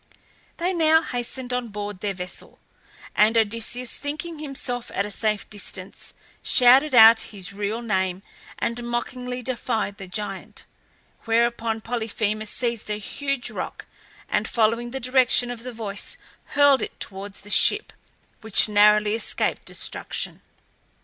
They now hastened on board their vessel, and Odysseus, thinking himself at a safe distance, shouted out his real name and mockingly defied the giant; whereupon Polyphemus seized a huge rock, and, following the direction of the voice, hurled it towards the ship, which narrowly escaped destruction.